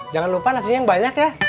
jangan lupa nasinya yang banyak ya